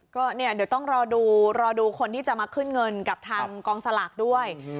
ก็เนี่ยเดี๋ยวต้องรอดูรอดูคนที่จะมาขึ้นเงินกับทางกองสลากด้วย